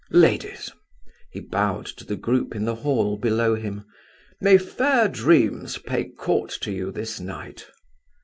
Ladies," he bowed to the group in the hall below him, "may fair dreams pay court to you this night!"